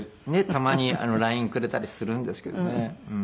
たまにＬＩＮＥくれたりするんですけどね。